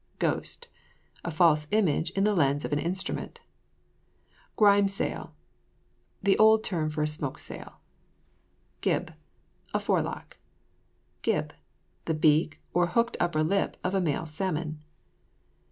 GHOST. A false image in the lens of an instrument. GHRIME SAIL. The old term for a smoke sail. GIB. A forelock. GIBB. The beak, or hooked upper lip of a male salmon.